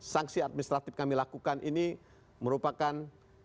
sanksi administratif kami lakukan ini merupakan